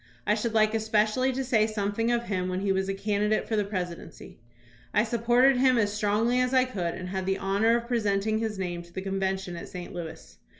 I should like especially to say something of him when he was a candidate for the presidency. I supported him as strongly as I could, and had the honor of presenting his name to the convention at St. Louis.